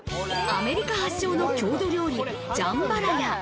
アメリカ発祥の郷土料理・ジャンバラヤ。